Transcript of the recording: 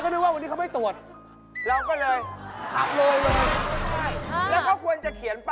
เมื่อวานสืน